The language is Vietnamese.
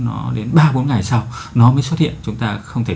nó đến ba bốn ngày sau nó mới xuất hiện chúng ta không thể